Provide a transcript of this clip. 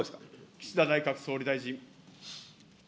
岸田内閣総理大臣。